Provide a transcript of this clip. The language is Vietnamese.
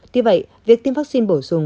tuy vậy việc tiêm vaccine bổ dùng